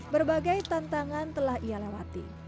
berbagai tantangan telah ia lewati